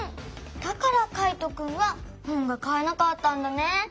だからカイトくんはほんがかえなかったんだね。